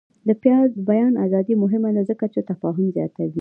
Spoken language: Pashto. د بیان ازادي مهمه ده ځکه چې تفاهم زیاتوي.